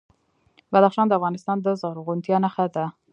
بدخشان د افغانستان د زرغونتیا نښه ده.